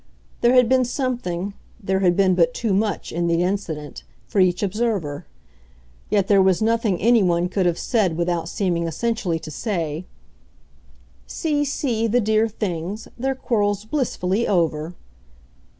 There had been something, there had been but too much, in the incident, for each observer; yet there was nothing any one could have said without seeming essentially to say: "See, see, the dear things their quarrel's blissfully over!"